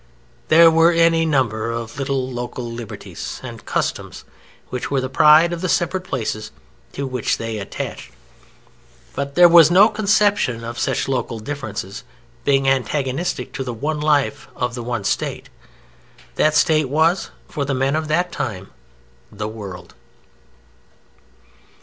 There were any number of little local liberties and customs which were the pride of the separate places to which they attached, but there was no conception of such local differences being antagonistic to the one life of the one State. That State was, for the men of that time, the World.